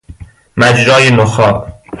مجرا نخاع